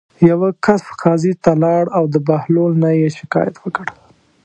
یوه کس قاضي ته لاړ او د بهلول نه یې شکایت وکړ.